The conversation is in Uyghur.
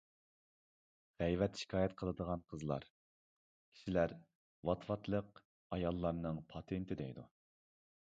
غەيۋەت-شىكايەت قىلىدىغان قىزلار كىشىلەر ۋات-ۋاتلىق ئاياللارنىڭ پاتېنتى دەيدۇ.